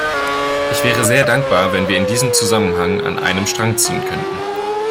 Ich wäre sehr dankbar, wenn wir in diesem Zusammenhang an einem Strang ziehen könnten.